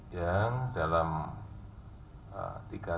dan dalam tiga tahun